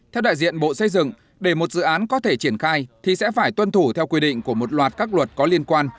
theo đại diện bộ xây dựng để một dự án có thể triển khai thì sẽ phải tuân thủ theo quy định của một loạt các luật có liên quan